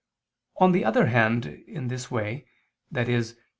On the other hand, in this way, i.e.